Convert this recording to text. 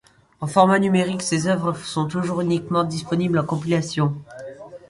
En format numérique, ses œuvres sont aujourd'hui uniquement disponibles en compilations.